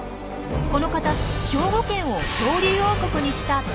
この方兵庫県を恐竜王国にした立役者。